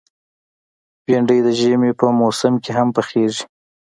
بېنډۍ د ژمي په موسم کې هم پخېږي